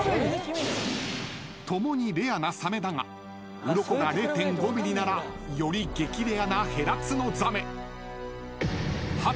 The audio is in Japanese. ［ともにレアなサメだがウロコが０．５ｍｍならより激レアなヘラツノザメ］